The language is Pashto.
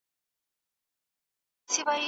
آیا د شنو ونو سیوری د دیوال تر سیوري ښه دی؟